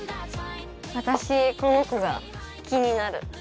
私このコが気になる。